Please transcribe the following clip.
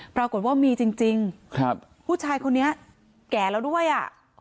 ปรากฏว่ามีจริงครับผู้ชายคนนี้แก่แล้วด้วยอ่ะ